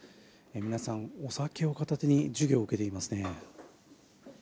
皆さん、お酒を片手に授業を受けていますね。